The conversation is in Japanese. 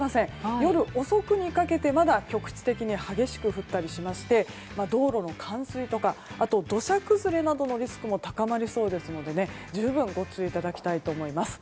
夜遅くにかけて局地的にまだ激しく降ったりしまして道路の冠水とか土砂崩れなどのリスクも高まりそうですので十分ご注意いただきたいと思います。